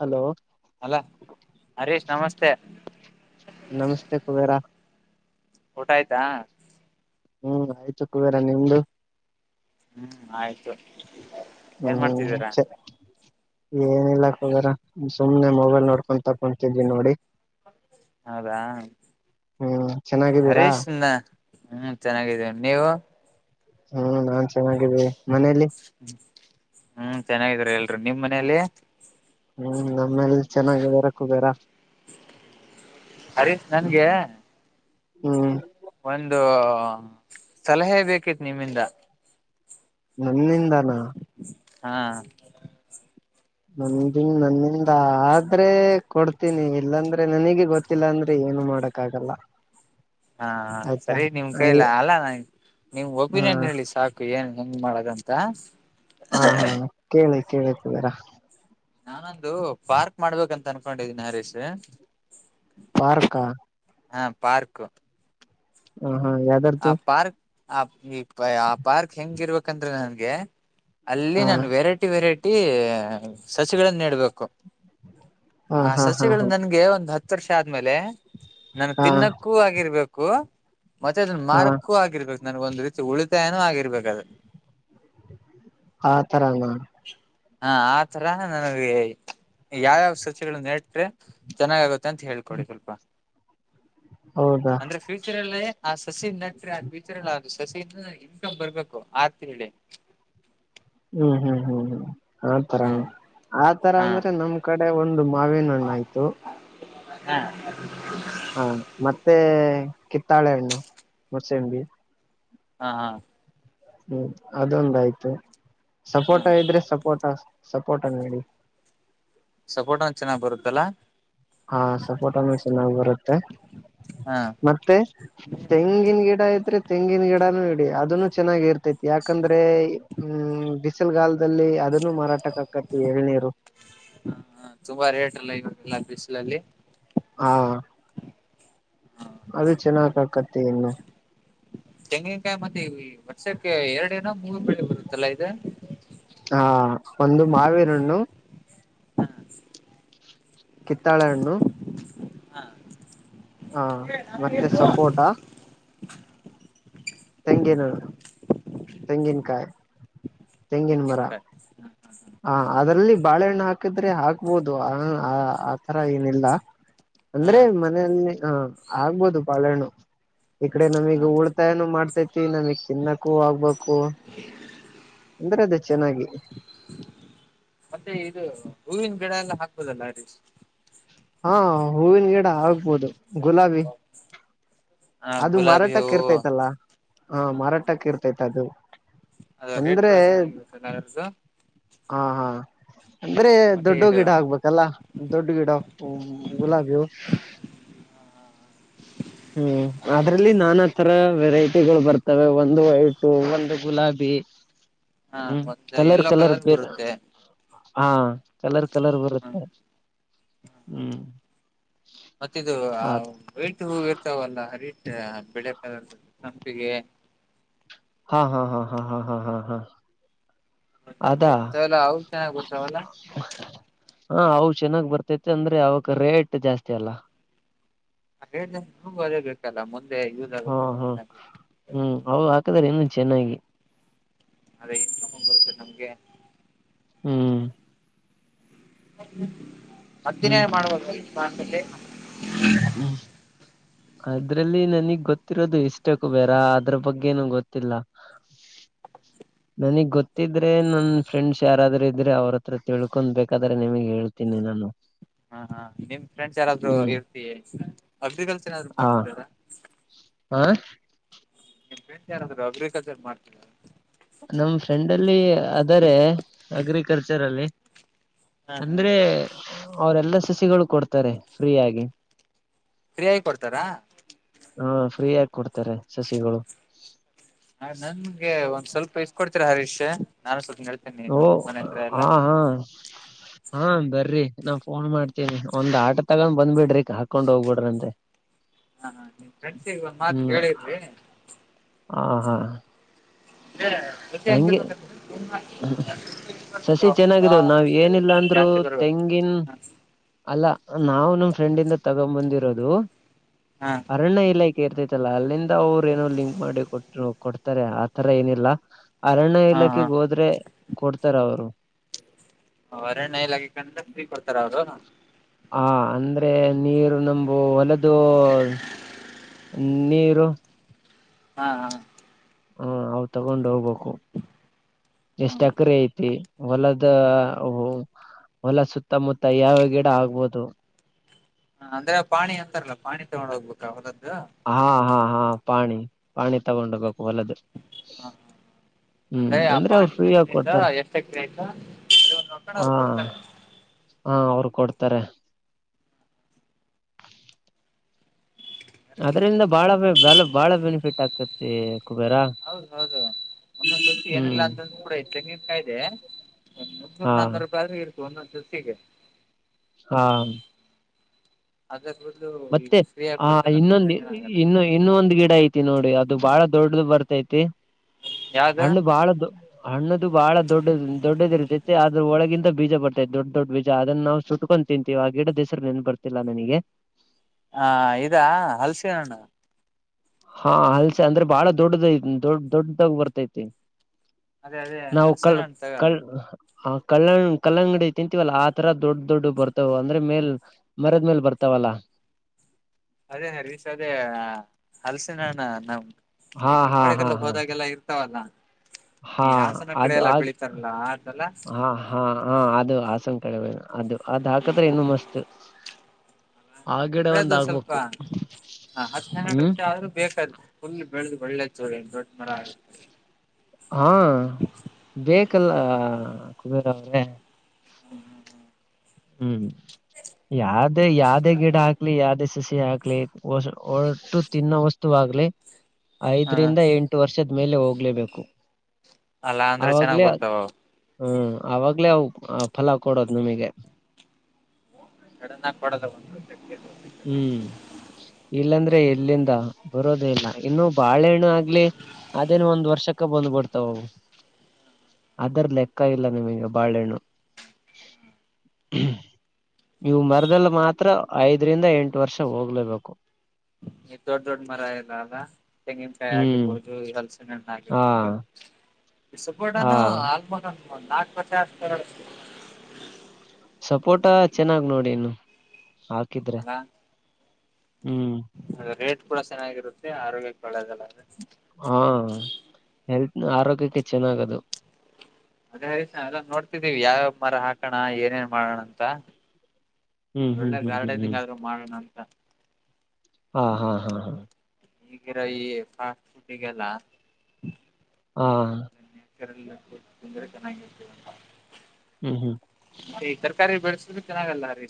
Hello ಅಲ್ಲಾ ಹರೀಶ್ ನಮಸ್ತೆ ನಮಸ್ತೆ ಕುಬೇರ. ಊಟ ಆಯ್ತಾ? ಹು ಆಯ್ತು ಕುಬೇರ, ನಿಂದು? ಆಯ್ತು, ಏನ್ ಹ್ಮ್ ಮಾಡ್ತಿದಿರಾ? ಏನಿಲ್ಲ ಕುಬೇರ ಸುಮ್ನೆ ಮೊಬೈಲ್ ನೋಡ್ಕೋತಾ ಕೂತಿದಿನಿ ನೋಡಿ. ಹೌದಾ, ಹ್ಮ್ ಚೆನ್ನಾಗಿದ್ದೀರಾ ಹರೀಶ್ ಚೆನಾಗಿದಿವಿ, ನೀವು? [inaudible] ನಾ ಚೆನ್- ಚೆನ್ನಾಗಿದಿನಿ, ಮನೆಲಿ ಹಾ ಚೆನ್ನಾಗಿದಾರೆ ಎಲ್ರೂ. ನಿಮ್ ಮನೇಲಿ? ಹ್ಮ್ ನಮ್ಮನೇಲ್ ಚೆನ್ನಾಗಿದಾರ ಕುಬೇರ. ಹರೀಶ್ ನನ್ಗೆ.. [unintelligible] ಹ್ಮ್ ಒಂದು ಸಲಹೆ ಬೇಕಿತ್ತು ನಿಮ್ಮಿಂದ ನನ್ನಿಂದಾನ ಹಾ ನಮನ್ ನನ್ನಿಂದ ಆದ್ರೆ ಕೊಡ್ತೀನಿ ಇಲ್ಲಾಂದ್ರೆ ನನಗ ಗೊತ್ತಿಲ್ಲ ಅಂದ್ರಿ ಏನು ಮಾಡಕ್ ಆಗಲ್ಲ ಹಾ ಆಯ್ತಾ ಸರಿ ನಿಮ್ ಕೈಲ ಅಲ್ಲ ನಾ ನಿಮ್ ಹಾ ಒಪಿನಿಯನ್ ಹೇಳಿ ಸಾಕು ಏನ್ ಹೆಂಗ್ ಮಾಡದಂತ ಹಾ ಹಾ ಕೇಳಿ ಕೇಳ್ಬೇಕ ಬರ ನಾನಂದು ಪಾರ್ಕ್ ಮಾಡ್ಬೇಕಂತ ಅನ್ಕೊಂಡಿದೀನಿ ಹರೀಶ್ ಪಾರ್ಕ ಹಾ ಪಾರ್ಕ್ ಹ ಹಾ ಯ್ದಾರ್ತು ಆ ಪಾರ್ಕ್ ಆ ಈ ಆ ಪಾರ್ಕ್ ಹೆಂಗಿರ್ಬೇಕಂದ್ರೆ ನನ್ಗೆ ಅಲ್ಲಿ ಹಾ ನಾನು ವೆರೈಟಿ ವೆರೈಟಿ ಸಸಿಗಳನ್ನ ನೆಡ್ಬೇಕು ಹಾ ಆ ಹಾ ಹಾ ಸಸಿಗಳು ಹಾ ನನ್ಗೆ ಒಂದು್ ಹತ್ತು ಹತ್ತ ವರ್ಷ ಆದ್ಮೇಲೆ ನನ್ು ಹಾ ತಿನ್ನಕ್ಕೂ ಆಗಿರ್ಬೇಕು ಮತ್ತ ಹಾ ಮಾರ್ಕು ಆಗಿರ್ಬೇಕು ನನ್ಗೊಂದ್ ರೀತಿ ಉಳಿತಾಯಏನೂ ಆಗಿರ್ಬೇಕ ಅದ ಹಾ ತರಾಮ ಹಾ ಆ ತರ ನನಗೆ ಯಾವ್ಯಾವ ಸಸಿಗಳ ನೆಟ್ರೆ ಚೆನ್ನಾಗ ಆಗುತ್ತೆ ಅಂತ ತ ಹೇಳ್ಕೊಡಿ ಸ್ವಲ್ಪ ಹೌದಾ ಅಂದ್ರೆ ಫ್ಯೂಚರ್ ಅಲ್ಲಿ ಹಾ [inaudible] ವಿಚಾರಲ ಸಸಿಯಿಂದ ಇನ್ಕಮ್ ಬರ್ಬೇಕು ಆರ್ ತಿಳ್ಳಿ ಹ್ಮ್ ಹ್ಮ್ ಹ್ಮ್ ಹ್ಮ್ ಆತರ ಹ್ಮ ಆತರ ಹಾ ಅಂದ್ರೆ ನಮ್ ಕಡೆ ಒಂದು ಮಾವಿನ ಹಣ್ಣ ಆಯ್ತು ಹಾ ಹಾ ಮತ್ತೆ ಕಿತ್ತಾಳೆಹಣ್ಣು ಮುಸಂಬಿ ಹಾ ಹಾ ಹ್ಮ್ ಅದೊಂದಯ್ತು ಹಾ ಸಪೋರ್ಟ ಇದ್ರೆ ಸಪೋರ್ಟ ಸಪೋರ್ಟ ನಡಿ ಸಪೋರ್ಟ್ಂದ ಚೆನ್ನಾಗಿ್ ಬರುತ್ತಲ್ಲ ಹಾ ಸಪೋಟ ಚೆನ್ನಾಗಿ ಬರುತ್ತೆ ಹಾ ಮತ್ತೆ ತೆಂಗಿನ ಗಿಡ ೆ ತೆಂಗಿನ ಗಿಡನುೂ ಇಡಿ ಅದನ್ನು ಚೆನ್ನಾಗಿ ಇರ್ತೈತಿ ಯಾಕಂದ್ರೆ ಹ್ಮ್ ಬಿಸಿಲುಗಾಲದಲ್ಲಿ ಇನು ಮಾರಾಟ ಕಕತಿ ಏಳ್ನೀರು ನ ಬಿಸಲಲ್ಲಿ ಹಾ ಹ ಅದು ಚೆನ್ನಾಗಾಗಿ ತೆಂಗಿನಕಾಯಿ ಆಕತ್ತ ಇನ್ನು ತೆಂಗಿನಕಾಯಿ ಮತ್ತೆ ವರ್ಷಕ್ಕೆ ಎರಡಿನ ಮೂಗ ಬೆಳೆ ಬರುತ್ತಲ್ಲಾ ಇ ಹಾ ಒಂದು ಮಾವೇರುಣ್ಣು ಹಾ ಕಿತ್ತಾಳೆ ಹಣ್ಣು ಹಾ ಹಾ ಮತ್ತೆ ಸಫೋಟಾ ತೆಂಗಿನ ತೆಂಗಿನಕಾಯಿ ತೆಂಗಿನ ಮರ ತಂಗಂತ ಹ ಬಾಳೆಹಣ್ಣ ಹಾಕಿದ್ರೆ ಹಾಕ್ಬೋದು ಆ ಆತರ ಏನಿಲ್ಲ ಹಾ ಅಂದ್ರೆ ಮನೆಯಲ್ಲಿ ಹ ಆಗ್ಬೋದು ಪಳೆಣು ಈಕಡೆ ಹಾ ನಮಗ್ ಉಳ್ತಾ ಏನ ಮಾಡ್ತ ೈತಿ ನಮಗ್ ಚಿನ್ನಕ್ಕೂ ಆಗ್ಬು ಹ ಅಂದ್ರೆ ಅದೇ ಚೆನ್ನಾಗಿ ಮತ್ತೆ ಇದು ಹೂವಿನ ಗಿಡ ಎಲ್ಲ ಹಾಕ್ಬೋದಲ್ಲ ಅ ರೀ ಹಾ ಹೂಿನ ಎ ಆಗ್ಬೋದು ಗುಲಾಬಿ ಹ ಅದು ಗುಲಾಬಿ ಮಾರಾಟಕ್ಕ ಹೂವು ಇರ್ತೈತಲ್ಲಾ ಹಾ ಮಾರಾಟಕ್ಕ ಇರ್ತೈತಿ ಅದು ಅದ ರೇಟ್ ಅಂದ್ರೆ ಕೂಡ ಚೆನ್ನಾಗಿರುತ್ತಾರ್ದ ಹಾ ಹಾ ಅಂದ್ರೆ ದೊಡ್ಡ ಇದು ಗಿಡ ಆಗ್ಬೇಕಲ್ಲ ದೊಡ್ಡ ಗಿಡ ಗುಲಾಬಿ ಹ್ಮ್ ಅದ್ರಲ್ಲಿ ನಾನಾ ತರ ವೆರೈಟಿಗಳು ಬರ್ತವೆ ಒಂದು ವೈಟು ಒಂದು ಗುಲಾಬಿ ಹಾ ಒಂದು ಎಲ್ಲೋ ಕಲರ್ ಬರುತ್ತೆ ಹಾ ಕಲರ್ ಕಲರ್ ಹ್ಮ್ ಬರುತ್ತೆ ಹ್ಮ್ ಆತ ಹೂೋಗಿರ್ತಾವಲ್ಲ ಅರಿ ಆ ಪಿಡಾಕರಿನ ತಂಪಿಗೆ ಹಾ ಹಾ ಹಾ ಹಾ ಹಾ ಹಾ ಹಾ ಹಾ ಅದಾ ಅಂತಾವೆಲ್ಲ ಹೌಖ್ಯ ಬಿಡ್ತಾವಲ್ಲ ಹಾ ಅವು ಚೆನ್ನಾಗಿ ಬರತೈತೆ ಅಂದ್ರೆ ಅವುಕ ರೇಟ್ ಜಾಸ್ತಿ ಅಲ್ಲ ಅಡೆಕ್ಗೆ ಅವ್ರೇಬೇಕಲ್ಲ ಒಹ್ ಒಹ್ ಹ್ಮ್ ಅವ್ರು ಹಾಕಿದರೂ ಇನ್ನೂ ಚೆನ್ನಾಗಿ ಅದೇ ಏನ್ ಕಮ್ಮಗ ಬರುತ್ತೆ ನಮಗೆ. ಹ್ಮ್ [inaudible] ಹತ್ತಿನೆ ಹ್ಮ್ ಮಾಡಬಾರದು ನಿಮ್ಮ ಕಾಲದಲ್ಲಿ ಹ್ಮ್ ಅದ್ರಲ್ಲಿ ನಂಗೆ ಗೊತ್ತಿರೋದು ಇಷ್ಟೇ ಕುಬೇರ ಅದರ ಬಗ್ಗೆನು ಗೊತ್ತೊಲ್ಲಾ. ನಂಗೆ ಗೊತ್ತಿದ್ರೆ ನನ್ ಫ್ರೆಂಡ್ಸ್ ಯಾರಾದ್ರೂ ಇದ್ರೆ ಅವ್ರ ಹತ್ರ ಕೇಳ್ಕೊಂಡು ಬೇಕಾದ್ರೆ ನಿಮಗೆ ಹೇಳ್ತಿನಿ ನಾನು. ಹಾ ಹಾ ನಿಮ್ ಫ್ರೆಂಡ್ಸ್ ಯಾರಾದ್ರೂ ಹ್ಮ್ ಎಂಪಿ [unintelligible] ಏನಾದ್ರು ಮಾಡ್ತಿದೀರಾ. ಹಾ ನಿಮ್ ಫ್ರೆಂಡ್ಸ್ ಯಾರಾದ್ರೂ ಅಗ್ರಿಕಲ್ಚರ್ ಮಾಡ್ತಿದ್ ನಮ್ ಫ್ರೆಂಡ್ ಅಲ್ಲಿ ಅದರೆ ಅಗ್ರಿಕಲ್ಚರ್ ಅಲ್ಲಿ ಹಾ ಹಾ ಅಂದ್ರೆ... ! ಅವರೆಲ್ಲ ಸಸಿಗಳು ಕೊಡ್ತಾರೆ ಫ್ರೀಯಾಗಿ. ಪ್ರಿಯಾಗ್ ಕೊಡ್ತಾರಾ. ಹೂ ಫ್ರೀ ಆಗಿ ಕೊಡ್ತಾರೆ ಸಸಿಗಳು. ನನ್ ನಂಗೆ ಒನ್ಸ್ವಲ್ಪ ಇಸ್ಕೊಡ್ತೀರಾ [unintelligible] ನಾನು ಸ್ವಲ್ಪ ಹೇಳ್ತೇನಿ ನಮ್ ಓಹ್ ಮನೆ ಹತ್ರ ಹಾ ಎಲ್ಲಾ - ಹಾ ಹಾ ಬರ್ರಿ ನಾ ಫೋನ್ ಮಾಡ್ತೀನಿ ಒಂದು ಆಟೋ ತಗನ್ ಬಂದ್ಬಿಡ್ರಿ ಇಕ್ ಹಾಕೊಂಡು ಹೋಗ್ಬಿಡ್ರಿ ಅಂತೇ. ನಿಮ್ ಫ್ರೆಂಡ್ಸಗ್ ಒಂದು ಮಾತು ಕೇಳಿರಿ. ಹಾ - ಹಾ ಹಂಗೆ ಸಸಿ ಚೆನ್ನಾಗಿದಾವ ನಾವ್ ಏನಿಲ್ಲ ಅಂದ್ರು [unintelligible] ನಾವುನು ಫ್ರೆಂಡ್ಯಿಂದ ತಗನ್ ಬಂದಿರೋದು. [unintelligible] ಹಾ ಅರಣ್ಯ ಇಲಾಖೆ [unintelligible] ಅಲ್ಲಿಂದ ಹೋಗ್ ಏನೋ ಲಿಂಕ್ ಮಾಡಿ ಕೊಟ್ರು ಕೊಡ್ತಾರೆ ಆತರ ಏನಿಲ್ಲ. ಅರಣ್ಯ ಹಾ ಹಾ ಇಲಾಖೆಗೆ ಹೋದ್ರೆ ಕೊಡ್ತಾರೆ ಅವ್ರು. ಒಹ್ ಅರಣ್ಯ ಇಲಾಖೆಗೆ ಕಂಡ್ರೆ ಫ್ರೀ ಕೊಡ್ತಾರಾ ಅವ್ರು ಹಾ ಅಂದ್ರೆ ನೀರು ನಂಬು ಹೊಲದು... ನ್ನೀರು ಹಾ ಹಾ ಹ್ಮ್ ಅವು ತಗೊಂಡು ಹೋಗ್ಬೇಕು. ಹೊ ಹ ಎಷ್ಟ್ ಎಕ್ರೆ ಐತಿ. ಹೊಲದ ಹೊ ಹೊಲ ಸುತ್ತ ಮುತ್ತಾ ಯಾವ್ಯಾವ ಗಿಡ ಆಗ್ಬೋದು. ಹ್ ಅಂದ್ರೆ ಪಾನಿ ಅಂತಾರಲ್ಲ ಪಾನಿ ತಗೊಂಡು ಹೋಗ್ಬೇಕ. [unintelligible] ಆ ಅಹ್ ಹಾ ಪಾನಿ ಪಾನಿ ತಗೋ. [unintelligible] ಹೊಲದ್ ಹ ಹ್ಮ್ ಆ ಅಂದ್ರೆ ಅವ್ರ್ ಪಾಣಿ ಫ್ರೀ ಆಗ್ ಎಷ್ಟರಿಂದ ಕೊಡ್ತಾರೆ. ಎಷ್ಟ ಎಕರೆ ಆಯ್ತು ಅದು ಒಂದು ರೊಕ್ಕಡ ಅವ್ರು ಹಾಮ್ ಕೊಡ್ತಾರೆ ಆಮ್ ಕೊಡ್ತಾರೆ. ಅದ್ರಿಂದ ಬಾಳ ಬ್ ಬಾಳ ಬಾಳ ಬೆನಿಫಿಟ್ ಆಗ್ತೈತಿ. ಹೌದ್ ಹೌದು [inaudible] ಏನಿಲ್ಲ ಹ್ಮ್ ಅಂದ್ರು ತೆಂಗಿನ ಕಾಯ್ಗೆ ಮುನ್ನೂರು ಹಾ ನಾನೂರು ರುಪಾಯ್ [unintelligible] [unintelligible] ಹ್ಹಾ ದ ಮತ್ತೆ ಹ್ಹಾ ಇನ್ನೊಂದು ಇ-ಇ-ಇ ತಿನ್ನಂಗಲ್ಲ ಇನ್ನು ಇನ್ನೂ ಒಂದು ಗಿಡ ಐತಿ ನೋಡಿ ಅದು ಬಾಳ ದೊಡ್ಡದು ಬರತೈತಿ. ಯಾವ್ದ ಹಣ್ ಬಾಳ ಅಣ್ಣದು ಬಾಳ ದೊಡ್ಡದ್ ದೊಡ್ದಿರು ಅದ್ರ್ ಒಳಗಿಂದ ಬೀಜ ಬರುತ್ತೆ ದೊಡ್ ದೊಡ್ ಬೀಜ. ಅದನ್ ನಾವ್ ಸುತ್ಕೊಂಡ್ ತಿಂತೀವಿ ಅದ್ರ್ ಗಿಡದ್ ಹೆಸ್ರ್ ನೆನಪ್ ಬರ್ತಿಲ್ಲ ನನಿಗೆ. ಹ್ಹಾ ಇದಾ ಹಲಸೆ ಹಣ್ಣು. ಹ್ಹಾ ಹಾಲ್ಸೆ ಅಂದ್ರೆ ಬಾಳ ದೊಡ್ದ್ ದೊ-ದೊ-ದೊ ದೊಡ್ದಾಗಿ [unintelligible] ಅದೆ ಅದೇ ಹಲ್ಸೇ ಹಣ್ಣ್ [unintelligible] ಹ್ಹಾ ಕಲ್ಲಂಗ್ ಕಲ್ಲಂಗಡಿ ತಿಂತಿವಲ್ಲ ಆತರ ದೊಡ್ಡ ದೊಡ್ಡ ಬರ್ತವ್ ಅಂದ್ರೆ ಮೇಲ್ ಮರದ್ ಮೇಲ್ ಬರ್ತಾವಲ್ಲ ಅದೇನೇ [unintelligible] ಹಲಸಿನನ್ ನಾಮ್ ಹಾ ಈ [unintelligible] ಹೋದಾಗೆಲ್ಲ ಅವೆಲ್ಲ ಹ್ಹಾ ಅದ್ ಅದ್ ಆತಲ್ಲ ಹಾ ಹ್ಹಾ ಅದ್ ಅದು [unintelligible] ಇದು ಅದ್ ಹಾಕ್ದ್ರೆ ಏನೋ ಮಸ್ತ್ ಆ ಗಿಡ ರಿ ಅದ್ ಒಂದ್ ಸ್ವಲ್ಪ ಆಗ್ಬೇಕು ಹ್ಮ್ ಹ್ [inaudible] ಬೆಳೆದ್ ಒಳ್ಳೆ [unintelligible] ದೊಡ್ ಮರ [inaudible] ಹಾ ಬೇಕದು ಹ್ ಹಾಕ್ಬೇಕಾದ್ರೆ [unintelligible] ಹ್ಮ್ ಯಾಕ್ ಅದೇ ಯಾವ್ದೆ ಗಿಡ ಆಗ್ಲಿ ಯಾವ್ದೆ ಸಸಿ ಆಗ್ ಕ್ಲಿಕ್ ಒಶು ಒಟ್ಟು ತಿನ್ನೋ ತ್ತುವಾಗಲಿ ಹ ಐದರಿಂದ ಎಂಟು ವರ್ಷದ್ ಮೇಲೆ ಹೋಗಲೇಬೇಕು ಅಲ್ಲಾ ಅಂದ್ರೆ ಚೆನ್ನಾಗಿ ಬರ್ತಾ ಅವು ಹೂ ಅವಾಗ್ಲೇ ಫಲ ಕೊಡುವುದು ನಮಗೆ ಸಡನ್ ಆಗಿ ಕೊಡೋದ ಒಂದ್ ವರ್ಷಕ್ಕೆ ಹೂ ಇಲ್ಲಾಂದ್ರೆ ಎಲ್ಲಿಂದ ಬರೋದೇ ಇಲ್ಲ ಇನ್ನು ಬಾಳೆಹಣ್ಣು ಆಗಲಿ ಅದೇನು ಒಂದು ವರ್ಷಕ್ಕ ಬಂದ್ ಬಿಡ್ತವು ಅದರ ಲೆಕ್ಕ ಇಲ್ಲ ಬಾಳೆಹಣ್ಣು ಯು ಮರದಲ್ಲಿ ಮಾತ್ರ ಐದರಿಂದ ಎಂಟು ವರ್ಷ ಹೋಗಲೇಬೇಕು ದೊಡ್ಡ ದೊಡ್ಡ ಮರ ಅದಾ ತೆಂಗಿನಕಾಯಿ ಹ್ಮ್ ಆಗಿರಬಹುದು ಇಲ್ಲ ಹಲಸಿನ ಹಣ್ಣು ಹಾ ಆಗಿರಬಹುದು ಹಾ ಸಪೋಟನ್ನು ಅಲ್ಪಾಕ ನಾಲ್ಕು ವರ್ಷ ಆಯ್ತು ಫೋಟೋ ಚೆನ್ನಾಗಿ ನೋಡಿ ಇನ್ನು ಹಾಕಿದ್ರೆ ಅಲ್ಲಾ ಹ್ಮ್ ರೇಟ್ ಕೂಡ ಚೆನ್ನಾಗಿರುತ್ತೆ ಆರೋಗ್ಯಕ್ಕೆ ಒಳ್ಳೆದಲ್ಲ ಹಾ ಹೆಲ್ತ್ ಆರೋಗ್ಯಕ್ಕೆ ಚೆನ್ನಾಗದು ಅದೇ ಹರಿಷ ಎಲ್ಲ ನೋಡ್ತಿದ್ದೀವಿ ಯಾವ್ಯಾವ ಮರ ಹಾಕೋಣ ಏನೇನ್ ಮಾಡೋಣ ಅಂತ ಹ್ಮ್ ಅಂದ ಹ್ಮ್ ಒಳ್ಳೆ ಹ್ಮ್ ಹ್ಮ್ ಗಾರ್ಡನಿಂಗ್ ಹ್ಮ್ ಆದ್ರರು ಮಾಡೋಣ ನಾನು ಹ ಹಾ ಹಾ ಹಾ ಹಾ ಈಗಿರ ಈ ಫಾಸ್ಟ್ ಫುಡ್ಗೆಲ್ಲ ಹಾ ಕೆರಂದರೆ ಚೆನ್ನ ಹ್ಮ್ ಹ್ಮ್ ಈ ತರಕಾರಿ ಬೆಳ ಚೆನ್ನಾಗಲ್ಲ ರೀ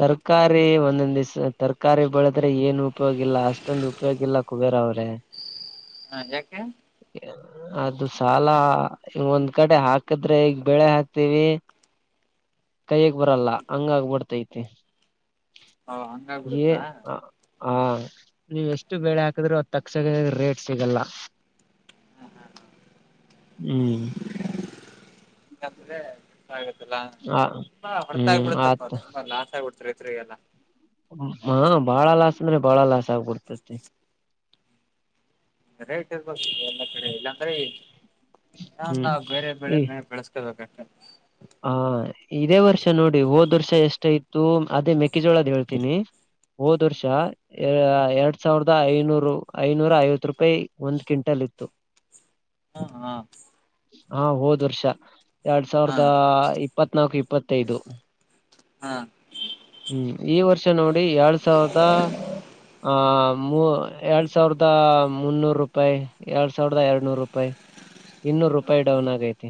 ತರಕಾರಿ ಒಂದ ಿಸ್ ತರಕಾರಿ ಬೆಳದ್ರೆ ಏನು ಉಪಯೋಗಿಲ್ಲ ಅಷ್ಟೊಂದು ಉಪಯೋಗಿಲ್ಲ ಕುಬೇರ ಅವ್ರೆ ಹ ಯಾಕೆ ಅದು ಸಾಲ ಈಗ ಒಂದ್ ಕಡೆ ಹಾಕಿದ್ರೆ ಈಗ ಬೆಳೆ ಹಾಕ್ತೀವಿ ಕೈಗೆ ಬರಲ್ಲ ಹಂಗ ಆಗ್ಬಿಡ್ತೈತಿ ಕ ಹ ಹಂಗಾಗಿಬಿಡತ್ತಾ ಹಾ ನೀವ ಎಷ್ಟು ಬೆಳೆ ಹಾಕದ್ರರು ತಕ್ಷಣ ರೇಟ್ ಸಿಗಲ್ಲ ಹ ಹ ಹ್ಮ್ ಕಂದ್ರೆ ಆ ಆ ಹಾ ಹೊರತ ಹ್ಮ್ ಆಗ್ಬಿಡುತ್ತಪ್ಪ ತುಂಬಾ ಲಾಸ್ ಆಗ್ಬಿಡ ಚತ್ರಿತ್ರರೆೆಯ ಎಲ್ಲ ಹು ಹೂ ಬಾಳ ಲಾಸ ಆದ್ರಿ. ಬಾಳ ಲಾಸ್ ಆಗ್ಬಿಡ್ತತಿ ಕರೆಕ್ಟ್ ಇರ್ಬೇಕು ಎಲ್ಲಾ ಕಡೆ ಇಲ್ಲ ಅಂದ್ರೆ ಎ ಹ್ಮ್ ಶಾನಬಾಗ್ ಬೇರೆ ಬೆಳೆ ಈ ಬೆ ಬೆಳೆಸಕಳ್ಬೇಕ್ [unintelligible] ಆ ಇದೆ ವರ್ಷ ನೋಡಿ ಹೋದ ವರ್ಷ ಎಸ್ಟ್ ಇತ್ತ ಅದೇ ಮೇ ಕ್ಕೆ ಜೋಳದ ಹೇಳ್ತೀನಿ. ಹೋದ ವರ್ಷ ಎ ಎರಡು ಸಾವಿರದ ಐದನೂರ ಐನೂರ ಐವತ್ತು ರೂಪೇ ಒಂದ ಕಿವಂಟಲ್ ಇತ್ತು. ಹ ಹಾ ಆ ಹೋದ ವರ್ಷ ಎರಡಸಾ ಹಾ ದ ಇಪತ್ತನಾಲ್ಕು ಇಪತ್ತಐದು ಹಾ ಹು ಇ ವರ್ಷ ಚನೌನ ಮೇ ಎರಡಸಾವಿರದ ಆ ಮು ಎರಡ ಸಾವಿರದ ಮುನೂರ ರೂಪಾಯಿ ಎರಡ ಸಾವಿರದ ಎರಡುನೂರ ರುಪಾಯಿ ಇನ್ನೂರ ರುಪಾಯಿ ಡೌನ ಆಗೈತಿ.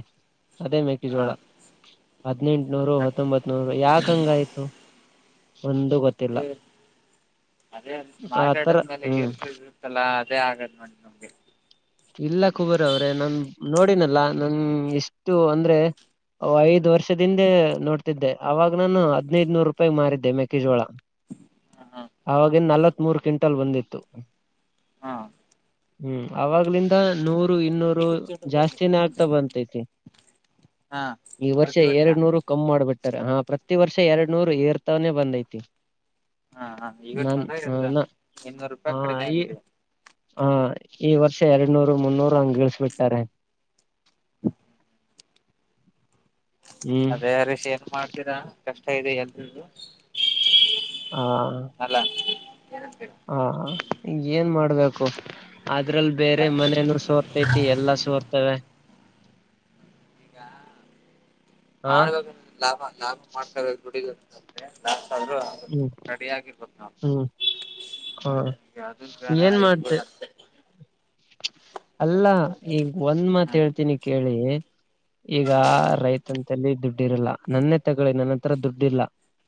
ಅದೇ ಹಾ ಮೆಕ್ಕೆಜೋಳ. ಹದಿನೆಂಟುನೂರು ಹತ್ತೊಂಬತ್ತುನೂರು ಯಾಕೆ ಹಂಗಾಯ್ತು. ಒಂದು ಗೊತ್ತಿಲ್ಲಾ ಅದೇ ಮಾರ್ಕೆಟ್ ಅತರ ಅಂದ್ಮೇಲೆ ಹು ಏರ್ಸ ಇರುತ್ತಲ್ಲ ಅದೇ ಆಗದ್ ನೋಡಿ ನಮ್ಗೆ ಇಲ್ಲ ಕುಬೇರ ಅವರೇ ನನ್ ನೋಡಿನಿ ಅಲ್ಲ ನನ್ ಎಷ್ಟು ಅಂದ್ರೆ ಅವ ಐದು ವರ್ಷದ ಹಿಂದೆ ನೋಡ್ತ ಇದ್ದೆ ಅವಾಗ ನಾನು ಹದಿನ್ಯದು ರೂಪಾಯಿಗೆ ಮಾರಿದೆ ಮೆಕ್ಕೆಜೋಳ ಹ ಹಾ ಅವಾಗಿಂದ ನಲವತ್ತಮೂರ ಕ್ವಿಟಲ್ ಬಂದಿತ ಹಾ ಹು ಅವಾಗಲಿಂದ ನೂ ರು ಇನ್ನೂರು ಜಾಸ್ತಿನಾ ಆಗ್ತಾ ಬಂತಯತಿ. ಇ ವರ್ಷ ಎರಡನೂರ ಕಮ ಮಾಡ ಬಿಟ ಟ್ಟರ ಹಾ ಪ್ರತಿ ವರ್ಷ ಎರಡನೂರ ಎರತಾನೆ ಬಂದ್ಯತಿ. ಹ ಹಾ ಇವತ್ತ ಅದೆ ಗೆದದ ನ ಇನೂರು ರೂಪಾಯಿ ಕಡಿಮೆ ಆಗಿದೆ. ಇ ವರ್ಷ ಎರಡನ್ನೂರು ಮುನ್ನೂರು ಹಂಗ ಇಳಸ ಬಿಟ್ಟರೆ. ಅದೆ ಯಾರಿಗ ಶೇರ್ ಮಾಡ್ತೀರಾ. ಕಷ್ಟ ಇದೆ ಎಂತದು. ಹಾ ಅಲ್ಲ ಏನಂತೀರಾ ಹಾ ಏನ ಮಾ ಮಾಡಬೇಕು. ಅದರ ಈಗ ಬೇರೆ ಮನೇನು ಸೋರತಯ್ತಿ ಎಲ್ಲ ಸೊರತವೆ. ಈಗ ಹಾ ಮಾಡ್ಬೇಕ ಅಂದ್ರೆ ಲಾಬ ಲಾಬ ಮಾಡ್ಕಬೇಕ್ ದುಡ್ಡಿ ಗಾ ಮತ್ತೆಏನ್ಲ ಸಾಬ್ರು ಹ್ಮ್ ರೆಡಿ ಆಗಿರ್ಬೇಕು ನಾವ ಹ್ಮ್ ಹಾ ಅದದ ಬೇಡ ಏನ್ ಇದ ಮಾಡ್ತೆ ಅಂತ ಇರ. ನಾನು ಒಂದು ಹ್ಮ ಮಾತು ಹೇಳುವುದಿಲ್ಲ. ಈಗ ಅದನ್ನೇ ತೆಗೆದುಕೊಳ್ಳಿ, ಮೊದಲು ನನ್ನ ಬಳಿಯೂ ಹಣವಿಲ್ಲ,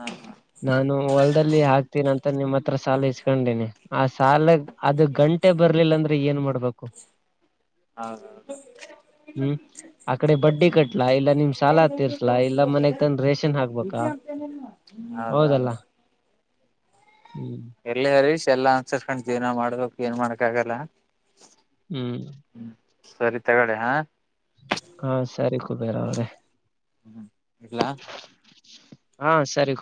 ಹಾ ಹಾ ಬಳಿಯೂ ಹಣವಿಲ್ಲ, ನಾನು ಕೃಷಿ ಕೆಲಸ ಮಾಡುತ್ತಿರುವಂತೆ ಹಣವನ್ನು ತೆಗೆದುಕೊಂಡಿದ್ದೇನೆ. ನಾನು ಹಿಂತಿರುಗಿಸಲಿಲ್ಲ ಅಂದ್ರೆ ನಾನು ಏನು ಮಾಡಬೇಕು ಹಾ ನಾನು ಬಡ್ಡಿ ಕಟ್ಟಬಹುದು ಅಥವಾ ನಿಮಗೆ ಹಣ ನೀಡಬಹುದು. ಹಾಕ್ಬೇಕಾ ಹಾಹಾ ಹೌದಲ್ಲ ಹ್ಮ್ ನಾವು ಎಲ್ಲವನ್ನೂ ಸ್ವೀಕರಿಸಬೇಕು ಮತ್ತು ನಮ್ಮ ಜೀವನವನ್ನು ಓದಬೇಕು. ಹ್ಮ್ ಸರಿ ನಾನು ಹೊರಡುತ್ತಿದ್ದೇನೆ. ಹಾ ಸರಿ ಸಾರಿ ಎರ್ಲಾ ಹಾ ಸೀರೆ